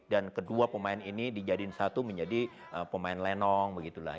dan kedua pemain ini dijadiin satu menjadi pemain lenong begitulah